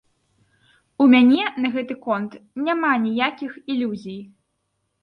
У мяне на гэты конт няма ніякіх ілюзій.